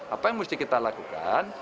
apa yang mesti kita lakukan